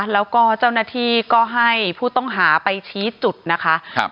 แล้วก็เจ้าหน้าที่ก็ให้ผู้ต้องหาไปชี้จุดนะคะครับ